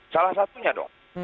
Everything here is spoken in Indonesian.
salah satunya dong